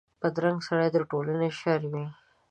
بدرنګه سړي د ټولنې شر وي